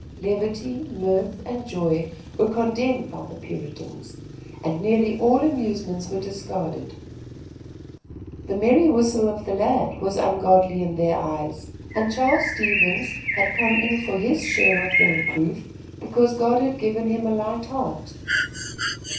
Levity, mirth and joy were condemned by the Puritans, and nearly all amusements were discarded. The merry whistle of the lad was ungodly in their eyes, and Charles Stevens had come in for his share of the reproof because God had given him a light heart.